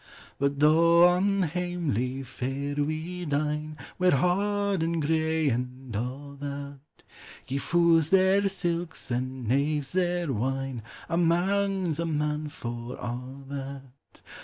What though on namely fare we dine, Wear hoddin gray, and a' that ? Gie fools their silks, and knaves their wine, A man 's a man for a' that.